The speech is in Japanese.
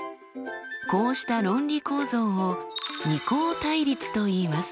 こうした論理構造を二項対立といいます。